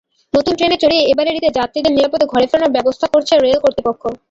নতুন ট্রেনে চড়িয়ে এবারের ঈদে যাত্রীদের নিরাপদে ঘরে ফেরানোর ব্যবস্থা করছে রেল কর্তৃপক্ষ।